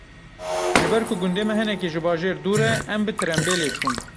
Ji ber ku gundê me hinekî ji bajêr dûr e, em bi tirembêlê çûn.